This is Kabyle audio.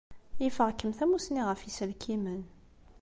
Ifeɣ-kem tamussni ɣef yiselkimen.